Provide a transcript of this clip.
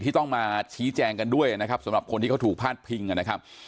ต้องมาชี้แจงกันด้วยนะครับสำหรับคนที่เขาถูกพาดพิงนะครับ